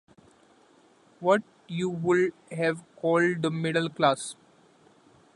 What you would have called the middle class.